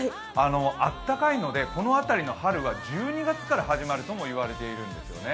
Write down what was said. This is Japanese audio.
あったかいのでこの辺りの春は１２月から始まるとも言われているんですよね。